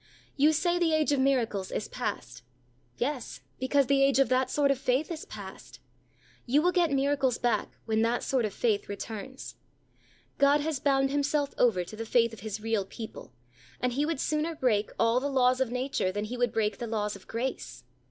You say the age of miracles is past. Yes, because the age of that sort of faith is past. You will get miracles back when that sort of faith returns. God has bound Himself over to the faith of His real people, and He would sooner break all the laws of nature, than He would break the laws of grace.